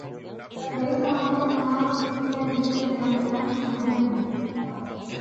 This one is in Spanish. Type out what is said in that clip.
De esta manera ganaba su quinta edición de la Milán-San Remo.